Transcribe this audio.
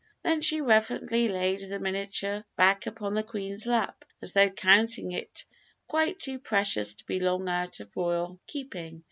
Then she reverently laid the miniature back upon the Queen's lap, as though counting it quite too precious to be long out of royal keeping.